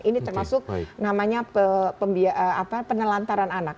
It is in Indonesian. ini termasuk namanya penelantaran anak